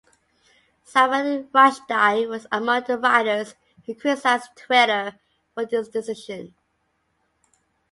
Salman Rushdie was among the writers who criticized Twitter for this decision.